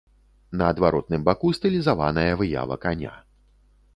На адваротным баку стылізаваная выява каня.